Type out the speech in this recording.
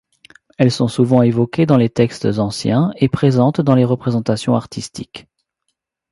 Elles sont souvent évoquées dans les textes anciens et présentes dans les représentations artistiques.